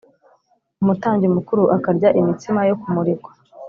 Umutambyi mukuru akarya imitsima yo kumurikwa